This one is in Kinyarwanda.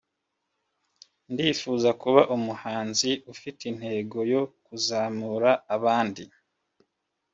Ndifuza kuba umuhanzi ufite intego yo kuzamura abandi